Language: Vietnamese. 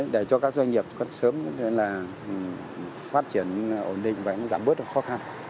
để cho các doanh nghiệp sớm phát triển ổn định và giảm bớt khó khăn